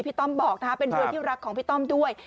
ต้อมบอกนะคะเป็นเรือที่รักของพี่ต้อมด้วย